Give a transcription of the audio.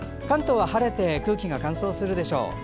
関東は晴れて空気が乾燥するでしょう。